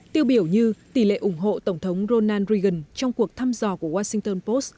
tiêu biểu như tỷ lệ ủng hộ tổng thống ronald reagan trong cuộc thăm dò của washington post